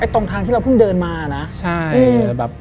ตรงทางที่เราเพิ่งเดินมา